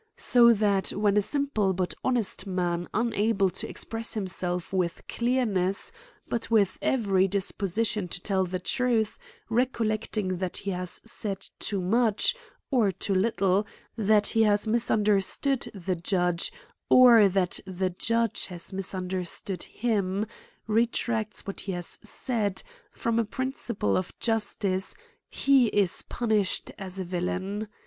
So that when a simple but honest man unable to ex press himself with clearness, but with every dis position totell the truth, recollecting that he has said too much, or too little, that he has misunder stood the j udge, or that the j udge has misunderstood him, retracts what he has said, from a principle of justice, he is punished as a villian.